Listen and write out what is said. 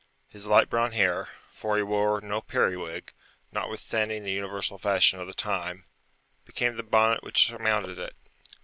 His light brown hair for he wore no periwig, notwithstanding the universal fashion of the time became the bonnet which surmounted it.